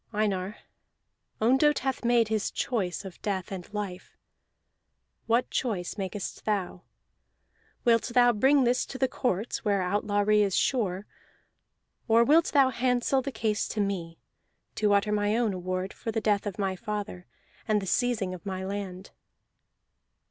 Einar, Ondott hath made his choice of death and life; what choice makest thou? Wilt thou bring this to the courts, where outlawry is sure; or wilt thou handsel the case to me, to utter my own award for the death of my father and the seizing of my land?"